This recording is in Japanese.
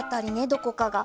どこかが。